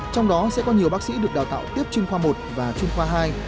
trong đó sẽ có nhiều bác sĩ được đào tạo tiếp chuyên khoa một và chuyên khoa hai